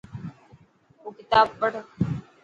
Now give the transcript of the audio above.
او ڪتاب پڙهه